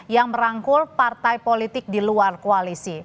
yang merangkul partai politik di luar koalisi